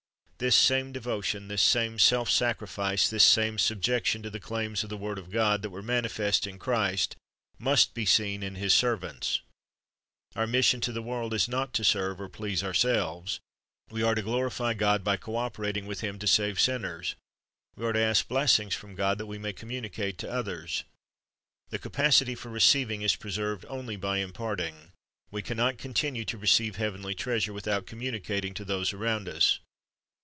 "^ The same devotion, the same self sacrifice, the same subjection to the claims of the word of God, that were manifest in Christ, must be seen in His servants. Our mission to the world is not to serve or please ourselves; we are to glorify 'John 17 : 19 As k i n g t o G i v e 1 43 God by co operating with Him to save sinners. We are to ask blessings from God that we may communicate to others. The capacity for receiving is preserved only by imparting. We can not continue to receive heavenly treasure without communicating to those around us.